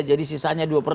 jadi sisanya dua per tiga